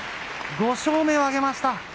５勝目を挙げました。